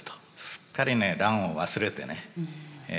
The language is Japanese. すっかりね乱を忘れてね